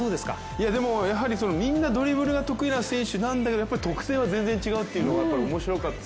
みんなドリブルが得意な選手なんだけどやっぱり特性は全然違うというのがおもしろかった。